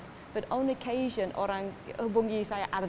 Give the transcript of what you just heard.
tapi pada kesempatan orang hubungi saya dari luar